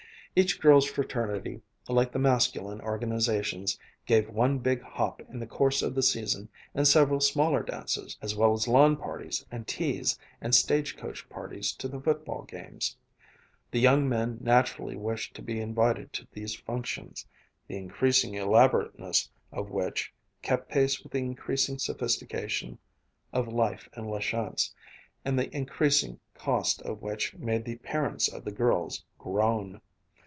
Each girls' fraternity, like the masculine organizations, gave one big hop in the course of the season and several smaller dances, as well as lawn parties and teas and stage coach parties to the football games. The young men naturally wished to be invited to these functions, the increasing elaborateness of which kept pace with the increasing sophistication of life in La Chance and the increasing cost of which made the parents of the girls groan.